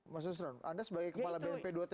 mas yusron anda sebagai kepala bnp dua tki yang juga